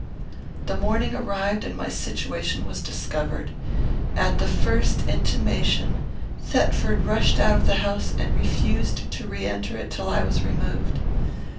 "The morning arrived, and my situation was discovered. At the first intimation, Thetford rushed out of the house, and refused to re enter it till I was removed.